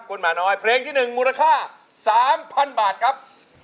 คุณหมาน้อยเพลงที่๑มูลค่า๓๐๐๐บาทครับ